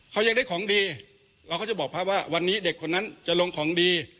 เขายังได้ของดีเราก็จะบอกพระว่าวันนี้เด็กคนนั้นจะลงของดี